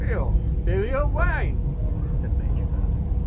"You'll spill your wine," said Major Vernon.